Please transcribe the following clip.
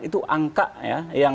itu angka ya